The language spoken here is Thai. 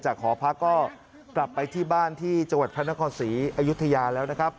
หอพักก็กลับไปที่บ้านที่จังหวัดพระนครศรีอยุธยาแล้วนะครับ